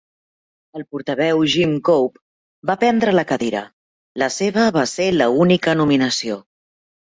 El portaveu Jim Cope va prendre la cadira; la seva va ser la única nominació.